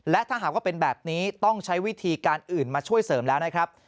และถ้าหากว่าเป็นแบบนี้ต้องใช้วิธีการอื่นมาช่วยเสริมแล้วนะครับ